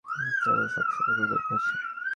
সকল ফাঁকফোকর বন্ধ আছে।